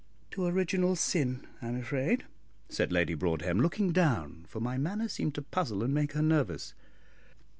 "To original sin, I am afraid," said Lady Broadhem, looking down, for my manner seemed to puzzle, and make her nervous.